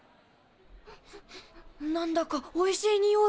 なんだかおいしいにおい。